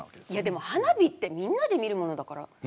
でも、花火ってみんなで見るものだから。